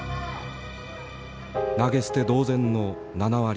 投げ捨て同然の７割引き。